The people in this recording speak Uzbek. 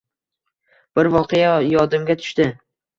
Bir voqea yodimga tushdi